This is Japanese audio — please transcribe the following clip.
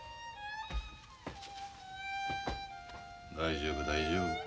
大丈夫大丈夫。